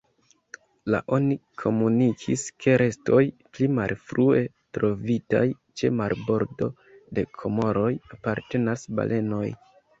La oni komunikis ke restoj, pli malfrue trovitaj ĉe marbordo de Komoroj, apartenas balenoj.